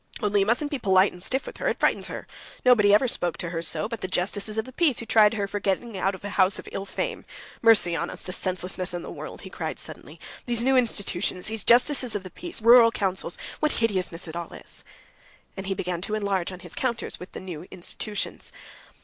"Only you mustn't be polite and stiff with her. It frightens her. No one ever spoke to her so but the justices of the peace who tried her for trying to get out of a house of ill fame. Mercy on us, the senselessness in the world!" he cried suddenly. "These new institutions, these justices of the peace, rural councils, what hideousness it all is!" And he began to enlarge on his encounters with the new institutions.